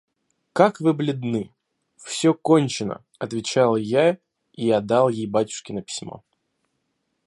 – Как вы бледны!» – «Все кончено!» – отвечал я и отдал ей батюшкино письмо.